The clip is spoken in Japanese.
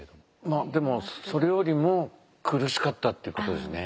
でもそれよりも苦しかったってことですね